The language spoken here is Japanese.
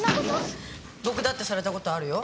僕だってされたことあるよ